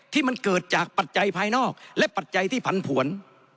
ที่มันเกิดจากปัจจัยภายนอกและปัจจัยที่ผันผวน